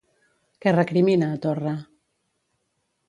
Què recrimina a Torra?